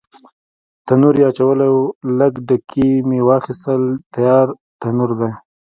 تنور یې اچولی و، لږ ډکي مې واخیستل، تیار تنور دی.